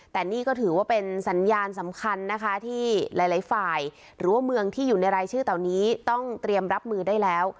แต่นี่ก็ถือว่าเป็นสัญญาณสำคัญนะคะที่หลายฝ่ายหรือว่าเมืองที่อยู่ในรายชื่อเหล่านี้ต้องเตรียมรับมือได้แล้ว